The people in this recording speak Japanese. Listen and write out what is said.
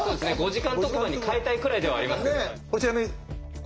５時間特番に変えたいくらいではありますよね。